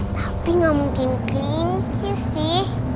tapi nggak mungkin clean sih